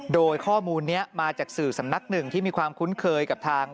โดยข้อมูลนี้มาจากสื่อสำนักหนึ่งที่มีความคุ้นเคยกับทาง